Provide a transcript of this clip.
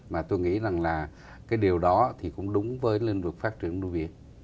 mà tôi nghĩ rằng là cái điều đó thì cũng đúng với lĩnh vực phát triển nuôi biển